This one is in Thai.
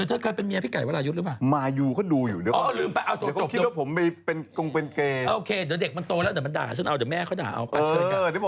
เออถ้าตอนนี้ผู้หญิงอยากกินนางเยอะ